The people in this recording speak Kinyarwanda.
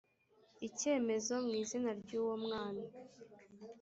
icyemezo mu izina ry uwo mwana